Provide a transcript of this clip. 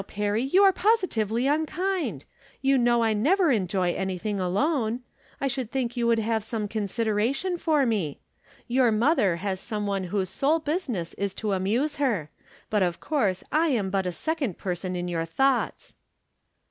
Perry, you are positively unkind. You know I never enjoy anything alone. I should tlnnk you would have some consideration for me. Your mother has some one whose sole business is to amuse her. But, of course, I am but a second person in your thoughts."